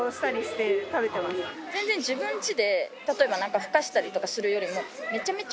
全然自分ちで例えばふかしたりとかするよりも。